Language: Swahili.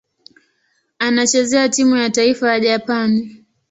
Anachezea timu ya taifa ya Japani.